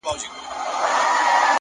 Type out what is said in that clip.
نیک عمل د وجدان خوښي زیاتوي.